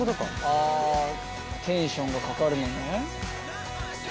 あテンションがかかるのね。